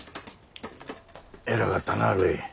えらかったなるい。